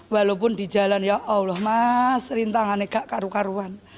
walaupun di jalan ya allah mas rintangannya agak karu karuan